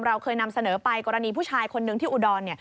เราเคยนำเสนอไปกรณีผู้ชายคนนึงที่อุดร